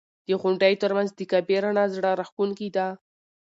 د غونډیو تر منځ د کعبې رڼا زړه راښکونکې ده.